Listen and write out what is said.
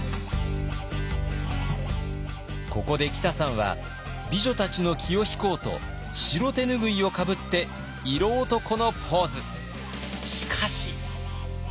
ここできたさんは美女たちの気を引こうと白手拭いをかぶって色男のポーズ。